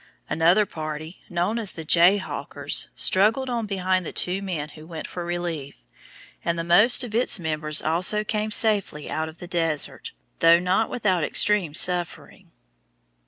Another party, known as the Jayhawkers, struggled on behind the two men who went for relief, and the most of its members also came safely out of the desert, though not without extreme suffering.